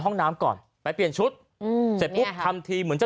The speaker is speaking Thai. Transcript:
ห้องน้ำก่อนไปเปลี่ยนชุดอืมเสร็จปุ๊บทำทีเหมือนจะ